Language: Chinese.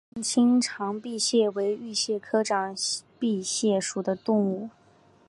近亲长臂蟹为玉蟹科长臂蟹属的动物。